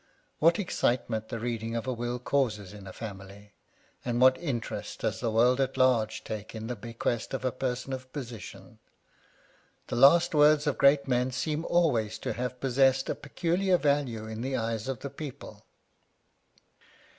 What excitement the reading of a will causes in a family ! and what interest does the world at large take in the bequests of a person of position ! The last words of great men seem always to have possessed a peculiar value in the eyes of the people.